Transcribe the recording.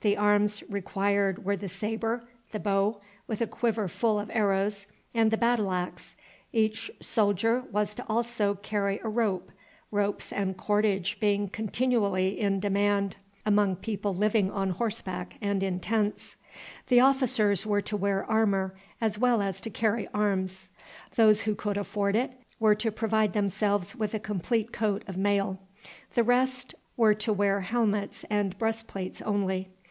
The arms required were the sabre, the bow, with a quiver full of arrows, and the battle axe. Each soldier was also to carry a rope, ropes and cordage being continually in demand among people living on horseback and in tents. The officers were to wear armor as well as to carry arms. Those who could afford it were to provide themselves with a complete coat of mail. The rest were to wear helmets and breast plates only.